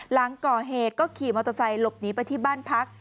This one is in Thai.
หลังก่อเหตุก็ขี่มอเตอร์ไซค์หลบหนีไปที่บ้านพัก